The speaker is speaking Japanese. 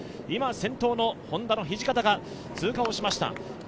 今、先頭のＨｏｎｄａの土方が通過をしました。